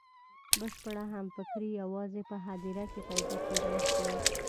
بشپړه همفکري یوازې په هدیره کې پیدا کېدای شي.